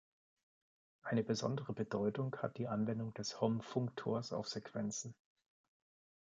Eine besondere Bedeutung hat die Anwendung des Hom-Funktors auf Sequenzen.